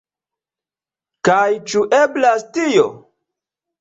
Kaj ĉu eblas tio?